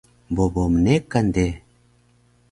Bobo mnekan de